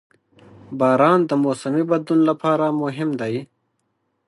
• باران د موسمي بدلون لپاره مهم دی.